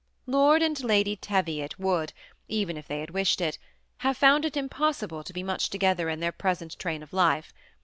Lord and Lady Teviot would, even if they had wish ed it, have found it impossible to be much together in their present train of life.